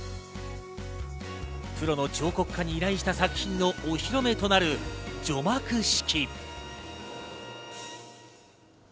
プロの彫刻家に依頼した作品のお披露目となる除幕式。